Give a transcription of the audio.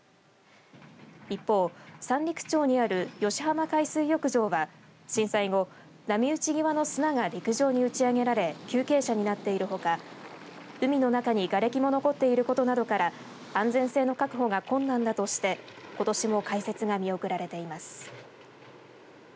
一方、三陸町にある吉浜海水浴場は震災後、波打ち際の砂が陸上に打ち上げられ急傾斜になっているほか海の中にがれきも残っていることなどから安全性の確保が困難だとしてことしも開設が見送られています。